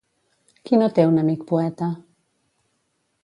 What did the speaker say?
Qui no té un amic poeta?